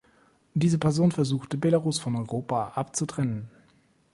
Diese Person versucht, Belarus von Europa abzutrennen.